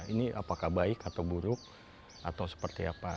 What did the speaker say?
ini apakah baik atau buruk atau seperti apa